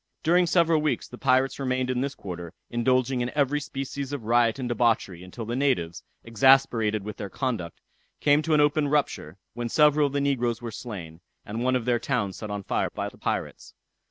During several weeks the pirates remained in this quarter, indulging in every species of riot and debauchery, until the natives, exasperated with their conduct, came to an open rupture, when several of the negroes were slain, and one of their towns set on fire by the pirates.